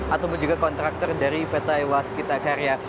ataupun juga kontraktor dari pt ewas kita karya